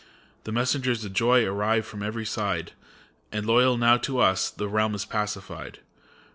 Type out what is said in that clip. The messengers of joy arrive from every side, And, loyal now to us, the realm is pacified.